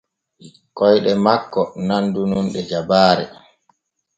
Koyɗe makko nandu nun ɗe jabaare.